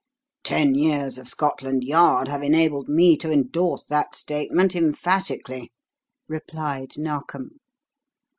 "Ten years of Scotland Yard have enabled me to endorse that statement emphatically," replied Narkom.